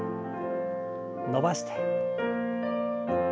伸ばして。